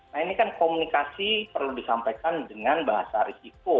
nah ini kan komunikasi perlu disampaikan dengan bahasa risiko